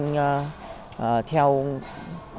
theo xu hướng doanh nghiệp